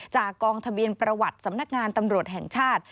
จากกองทะเบียนประวัติสำนักงานตำรวจแห่งชาติ